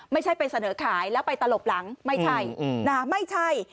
ไม่ใช่ไปเสนอขายแล้วไปตลบหลังไม่ใช่ไม่ใช่